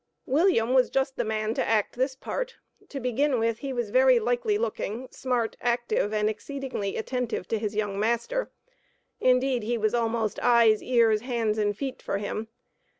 William was just the man to act this part. To begin with, he was very "likely looking;" smart, active and exceedingly attentive to his young master indeed he was almost eyes, ears, hands and feet for him.